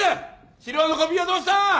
資料のコピーはどうした！？